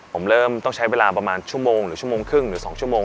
ผมเริ่มต้องใช้เวลาประมาณชั่วโมงหรือชั่วโมงครึ่งหรือ๒ชั่วโมง